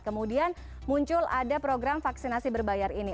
kemudian muncul ada program vaksinasi berbayar ini